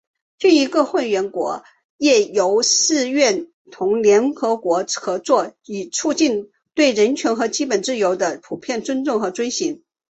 鉴于各会员国业已誓愿同联合国合作以促进对人权和基本自由的普遍尊重和遵行